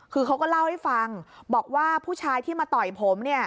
คือเขาก็เล่าให้ฟังบอกว่าผู้ชายที่มาต่อยผม